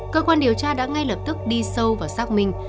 cơ quan điều tra đã ngay lập tức đi sâu vào xác minh